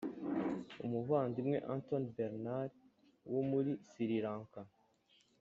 Umuvandimwe Anthony Bernard wo muri Siri Lanka